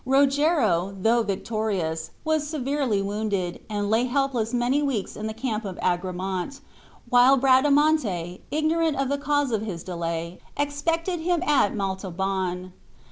Rogero, though victorious, was severely wounded, and lay helpless many weeks in the camp of Agramant, while Bradamante, ignorant of the cause of his delay, expected him at Montalban.